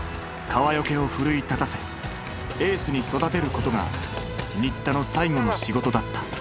川除を奮い立たせエースに育てることが新田の最後の仕事だった。